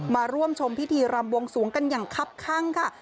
มาร่วมชมพิธีรำบวงสวงกันอย่างคับข้างค่ะ